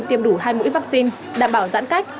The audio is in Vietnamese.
tiêm đủ hai mũi vaccine đảm bảo giãn cách